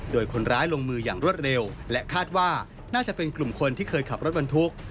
โดยคนร้ายลงมืออย่างรวดเร็วและคาดว่าน่าจะเป็นกลุ่มคนที่เคยขับรถบรรทุก